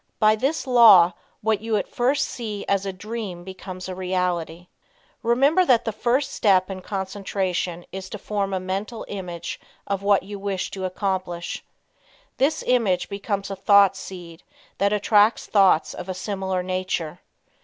By this law what you at first see as a dream becomes a reality. Remember that the first step in concentration is to form a Mental Image of what you wish to accomplish. This image becomes a thought seed that attracts thoughts of a similar nature.